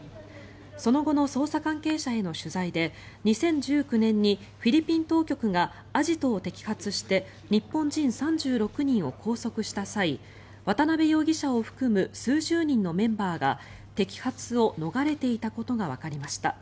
その後の捜査関係者への取材で２０１９年にフィリピン当局がアジトを摘発して日本人３６人を拘束した際渡邉容疑者を含む数十人のメンバーが摘発を逃れていたことがわかりました。